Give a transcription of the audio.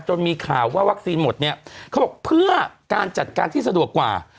มีข่าวว่าวัคซีนหมดเนี่ยเขาบอกเพื่อการจัดการที่สะดวกกว่า